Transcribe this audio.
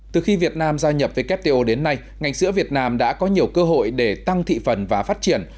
từ khi việt nam gia nhập wto đến nay ngành sữa việt nam đã có nhiều cơ hội để tăng thị phần và phát triển